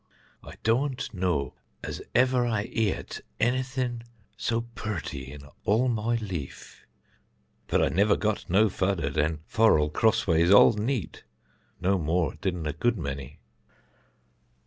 I dȯȧn't know as ever I eat anything so purty in all my life; but I never got no further than Furrel cross ways all night, no more didn't a good many."